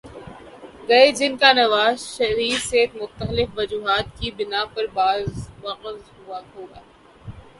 گے جن کا نواز شریف سے مختلف وجوہات کی بناء پہ بغض ہو گا۔